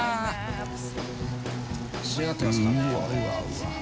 仕上がってますからね。